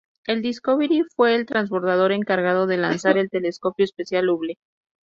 El Discovery fue el transbordador encargado de lanzar el telescopio espacial Hubble.